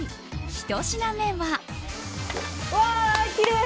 １品目は。